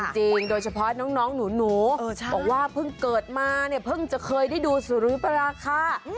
โดยเฉพาะน้องหนูบอกว่าเพิ่งเกิดมาเนี่ยเพิ่งจะเคยได้ดูสุริปราคา